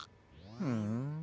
ふん。